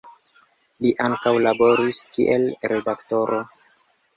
Li ankaŭ laboris kiel redaktoro.